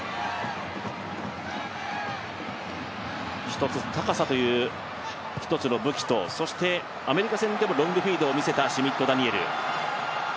一つ高さという武器とそして、アメリカ戦でもロングフィードを見せたシュミット・ダニエル。